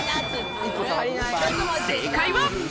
正解は。